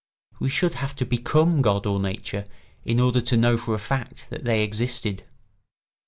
We should have to become God or Nature in order to know for a fact that they existed.